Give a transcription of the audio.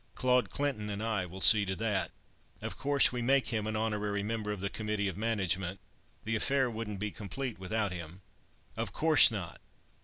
Claude Clinton and I will see to that. Of course we make him an honorary member of the committee of management. The affair wouldn't be complete without him." "Of course not.